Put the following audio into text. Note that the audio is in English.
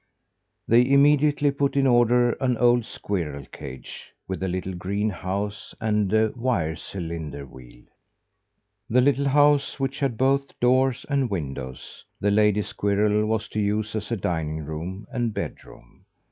They immediately put in order an old squirrel cage with a little green house and a wire cylinder wheel. The little house, which had both doors and windows, the lady squirrel was to use as a dining room and bedroom.